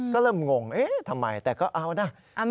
ก็เริ่มงงเอ๊ะทำไมแต่ก็เอานะ